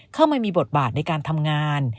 เข้ามามีบทบาทในการทำงาน